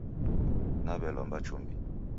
Nawelomba chumbi